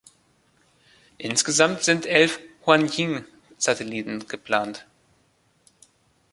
Insgesamt sind elf Huanjing-Satelliten geplant.